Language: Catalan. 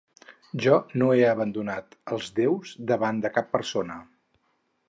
Jo no he abandonat als déus davant de cap persona.